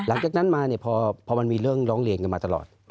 หลังจากนั้นมาพอมันมีเรื่องร้องเรียนกันมาตลอด